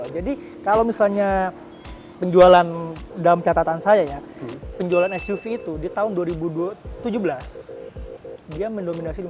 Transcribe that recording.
jadi kalau misalnya penjualan dalam catatan saya ya penjualan suv itu di tahun dua ribu tujuh belas dia mendominasi lima belas